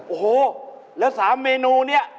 โอ้โฮแล้ว๓เมนูนี้